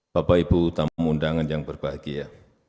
bapak ibu tamu undangan yang berbahagia